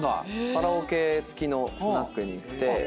カラオケ付きのスナックに行って。